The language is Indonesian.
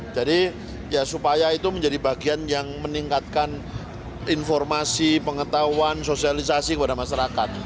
jadi ya supaya itu menjadi bagian yang meningkatkan informasi pengetahuan sosialisasi kepada masyarakat